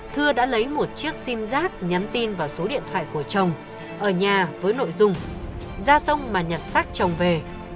thưa đã lấy một chiếc sim giác nhắn tin vào số điện thoại của chồng ở nhà với nội dung ra sông mà nhặt xác chồng về